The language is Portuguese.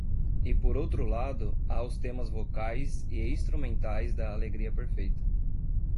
E por outro lado, há os temas vocais e instrumentais da alegria perfeita.